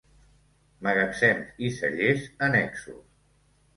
Magatzems i cellers annexos.